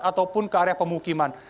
ataupun ke area pemukiman